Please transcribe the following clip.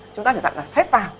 chúng ta chỉ dặn là xếp vào